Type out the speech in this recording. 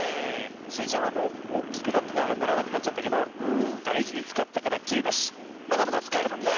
スイちゃんはもうおっきくなったからのらなくなっちゃったけどだいじにつかってたからきれいだしまだまだつかえるもんな。